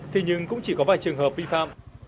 thế nhưng cũng chỉ có vài trường hợp vi phạm